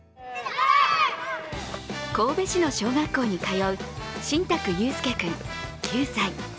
神戸市の小学校に通う新宅佑輔君９歳。